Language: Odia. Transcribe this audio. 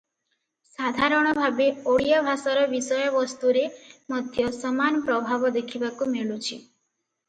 ସାଧାରଣ ଭାବେ ଓଡ଼ିଆ ଭାଷାର ବିଷୟବସ୍ତୁରେ ମଧ୍ୟ ସମାନ ପ୍ରଭାବ ଦେଖିବାକୁ ମିଳୁଛି ।